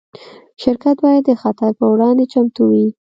شرکت باید د خطر پر وړاندې چمتو وي.